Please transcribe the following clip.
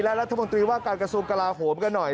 และรัฐมนตรีว่าการกระทรวงกลาโหมกันหน่อย